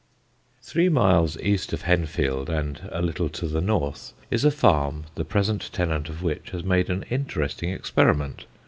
Three miles east of Henfield, and a little to the north, is a farm the present tenant of which has made an interesting experiment.